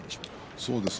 そうですね。